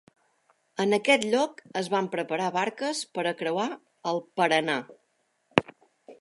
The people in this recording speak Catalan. En aquest lloc es van preparar barques per a creuar el Paranà.